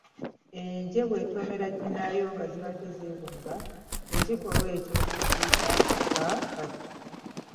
Enje bw’etomera ginnaayo nga zeebonga, ekikolwa ekyo tukiyita kukuba kattu.